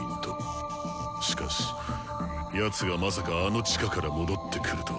しかしやつがまさかあの地下から戻ってくるとは。